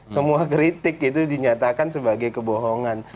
semua kritik itu dinyatakan sebagai kebohongan